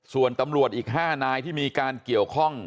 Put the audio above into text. ส่วนตำรวจอีก๕นายที่มีการเกี่ยวข้อง